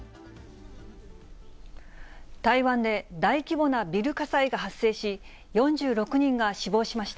台湾で大規模なビル火災が発生し、４６人が死亡しました。